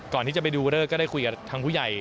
ก่อนที่จะไปดูเลิกก็ได้คุยกับทางผู้ใหญ่